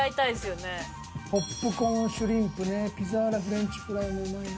ポップコーンシュリンプねピザーラフレンチフライもうまいな。